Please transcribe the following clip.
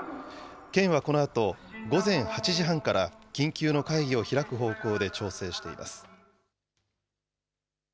県はこのあと、午前８時半から緊急の会議を開く方向で調整しています。